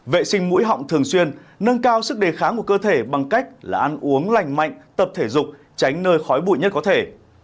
vệ sinh mũi họng thường xuyên nâng cao sức đề kháng của cơ thể bằng cách là ăn uống lành mạnh tập thể dục tránh nơi khói bụi nhất có thể